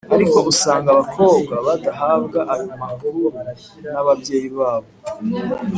ariko usanga abakobwa badahabwa ayo makuru n’ababyeyi babo.